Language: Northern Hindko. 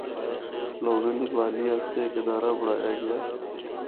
لوگاں دی بحالی اسطے ہک ادارہ بنڑایا گیا۔